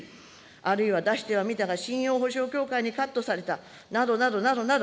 あるいは出してはみたが、信用保証協会にカットされた、などなどなどなど。